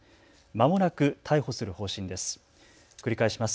まもなく逮捕する方針です。